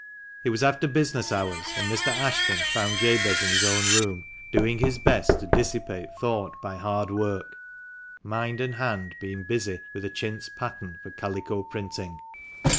It was after business hours, and Mr. Ashton found Jabez in his own room, doing his best to dissipate thought by hard work, mind and hand being busy with a chintz pattern for calico printing.